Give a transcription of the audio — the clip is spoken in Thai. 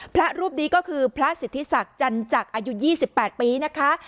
พระรูปนี้ก็คือพระสิทธิศักดิ์จันจักรอายุ๒๘ปีนะคะ